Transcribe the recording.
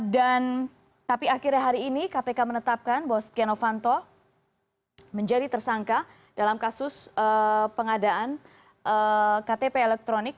dan tapi akhirnya hari ini kpk menetapkan bahwa setia novanto menjadi tersangka dalam kasus pengadaan ktp elektronik